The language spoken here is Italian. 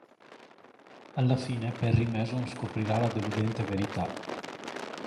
Alla fine Perry Mason scoprirà la deludente verità.